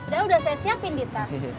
udah saya siapin di tas